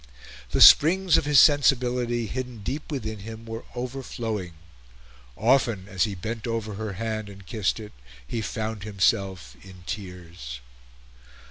The springs of his sensibility, hidden deep within him, were overflowing. Often, as he bent over her hand and kissed it, he found himself in tears.